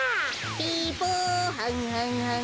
ピポはんはんはん。